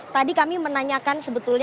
tadi kami menanyakan sebetulnya